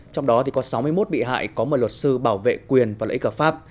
trong đó có sáu mươi một bị hại có mời luật sư bảo vệ quyền và lễ cờ pháp